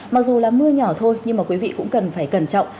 mặc dù là mưa nhỏ thôi nhưng mà quý vị cũng cần phải cẩn trọng